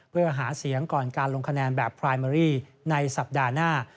เพื่อหาเสียงก่อนการลงคะแนนแบบพรายเมอรี่ในสัปดาห์หน้า